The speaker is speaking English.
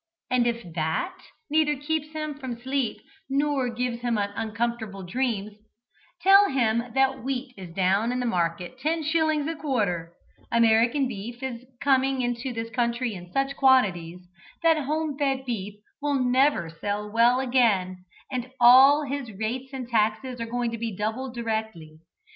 And if that neither keeps him from sleep nor gives him uncomfortable dreams, tell him that wheat is down in the market ten shillings a quarter, American beef is coming into this country in such quantities, that homefed beef will never sell well again, and all his rates and taxes are going to be doubled directly.